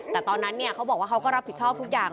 แต่ตอนนั้นเขาบอกว่าเขาก็รับผิดชอบทุกอย่าง